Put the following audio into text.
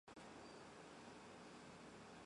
毛人凤随即派北平督察王蒲臣秘密侦查。